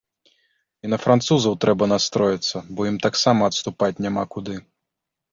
І на французаў трэба настроіцца, бо ім таксама адступаць няма куды.